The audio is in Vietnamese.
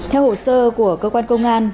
theo hồ sơ của cơ quan công an